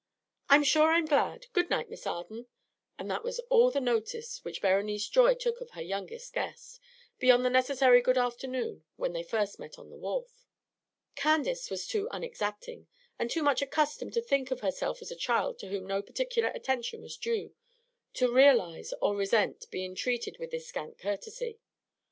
"I'm sure I'm glad. Good night, Miss Arden." And that was all the notice which Berenice Joy took of her youngest guest, beyond the necessary good afternoon when they first met on the wharf. Candace was too unexacting, and too much accustomed to think of herself as a child to whom no particular attention was due, to realize or resent being treated with this scant courtesy.